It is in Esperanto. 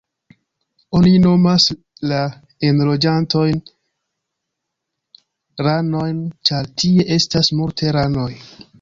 Oni nomas la enloĝantojn ranojn ĉar tie estas multe ranoj.